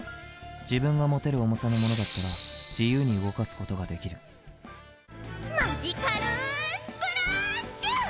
自分が持てる重さのものだったら自由に動かすことができるマジカルスプラーッシュ！